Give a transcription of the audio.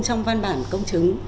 trong văn bản công chứng